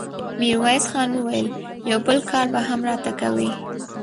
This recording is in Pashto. ميرويس خان وويل: يو بل کار به هم راته کوې!